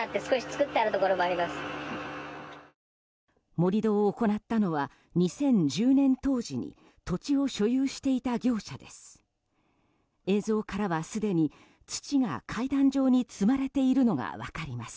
盛り土を行ったのは２０１０年当時に土地を所有していた業者です。